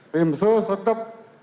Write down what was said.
tim sus tetap